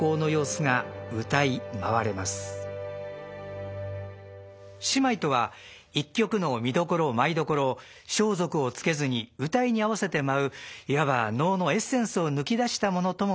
仕舞とは一曲の見どころ舞いどころを装束を着けずに謡に合わせて舞ういわば能のエッセンスを抜き出したものともいえます。